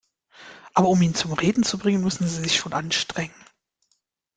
Aber um ihn zum Reden zu bringen, müssen Sie sich schon anstrengen.